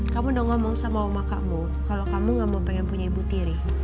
kamu udah ngomong sama oma kamu kalo kamu gak mau pengen punya ibu tiri